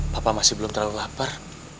bapak masih belum terlalu lapar